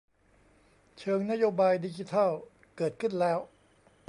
เชิงนโยบายดิจิทัล เกิดขึ้นแล้ว